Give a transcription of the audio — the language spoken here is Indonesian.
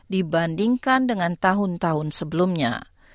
dibandingkan dengan tahun tahun sebelumnya